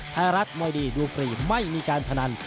ไทยรัฐมวยดีดูฟรีไม่มีการพนัน